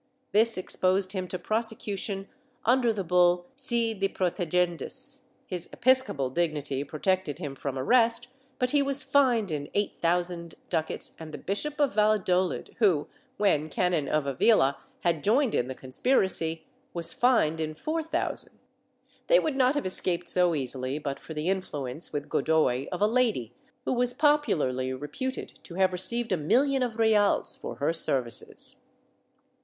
This exposed him to prosecution under the bull Si de protegendis ; his episcopal dignity protected him from arrest, but he was fined in eight thous and ducats and the Bishop of Valladolid who, when canon of Avila, had joined in the conspiracy, was fined in four thousand. They would not have escaped so easily but for the influence with Godoy of a lady who was popularly reputed to have received a million of reales for her services.